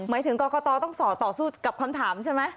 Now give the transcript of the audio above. ถึงกรกตต้องต่อสู้กับคำถามใช่ไหม